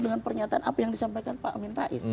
dengan pernyataan apa yang disampaikan pak amin rais